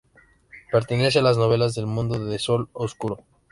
Pertenece a las novelas del mundo de Sol Oscuro.